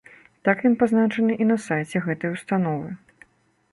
Так ён пазначаны і на сайце гэтай установы.